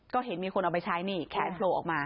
ก็เห็นมีคนเอาไปใช้นี่แขนโผล่ออกมา